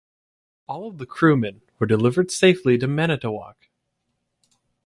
All of the crewmen were delivered safely to Manitowoc.